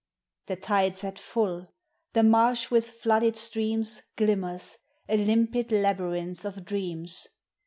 The tide 's at full ; the marsh with flooded streams Glimmers, a limpid labyrinth of dreams.